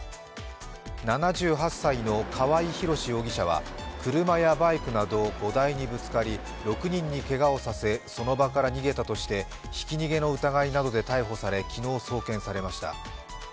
７８歳の川合広司容疑者は車やバイクなど５大にぶつかり、６人にけがをさせてその場から逃げたとしてひき逃げの疑いなどで逮捕され昨日送検されました。